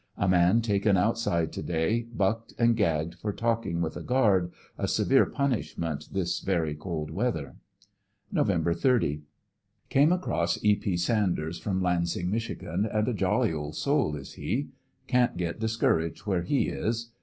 A man taken outside to day, bucked and gagged for talkin^^ with a guard; a severe punishment this very cold weather. Nov. 30. — Came across E. P. Sanders, from Lansing, Michigan, and a jolly old soul is he. Can't get discouraged where he is.